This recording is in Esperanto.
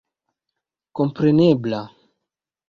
komprenebla.